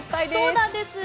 そうなんです。